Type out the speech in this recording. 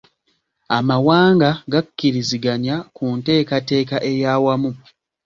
Amawanga gakkiriziganya ku nteeketeeka eyaawamu.